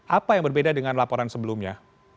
apa yang berbeda dengan laporan sebelumnya